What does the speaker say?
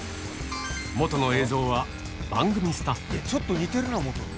元の映像は、番組スタッフ。